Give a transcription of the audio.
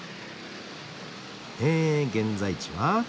え現在地は？